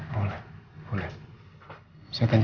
boleh aku boleh ketemu askara sekarang ya